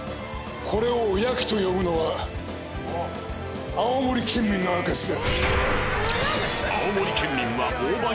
これをおやきと呼ぶのは青森県民の証しだ。